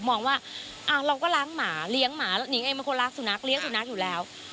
มองว่าเราก็ล้างหมาเลี้ยงหมานิงเองเป็นคนรักสุนัขเลี้ยสุนัขอยู่แล้ว